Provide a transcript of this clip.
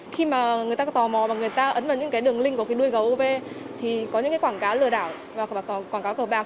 khi mà người ta có tò mò và người ta ấn vào những cái đường link của cái nuôi gấu thì có những cái quảng cáo lừa đảo và quảng cáo tờ bạc